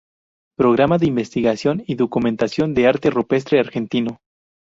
Programa de Investigación y Documentación del Arte Rupestre Argentino.